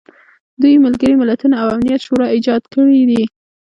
دوی ملګري ملتونه او امنیت شورا ایجاد کړي دي.